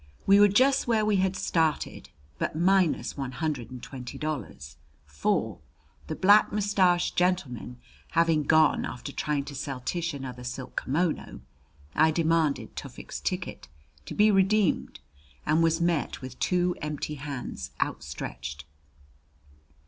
We were just where we had started, but minus one hundred and twenty dollars; for, the black mustached gentleman having gone after trying to sell Tish another silk kimono, I demanded Tufik's ticket to be redeemed and was met with two empty hands, outstretched.